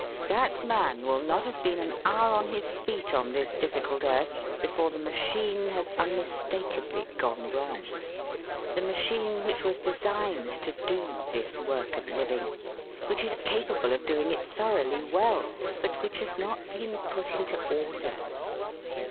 That man will not have been an hour on his feet on this difficult earth before the machine has unmistakably gone wrong: the machine which was designed to do this work of living, which is capable of doing it thoroughly well, but which has not been put into order!